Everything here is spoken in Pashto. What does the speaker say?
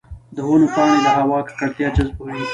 د ونو پاڼې د هوا ککړتیا جذبوي.